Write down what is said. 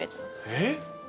えっ？